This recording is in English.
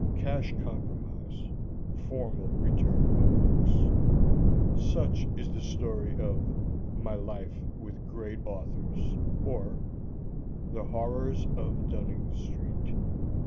Cash compromise. Formal return of books. Such is the story of "My Life With Great Authors; or, The Horrors of Dunning Street."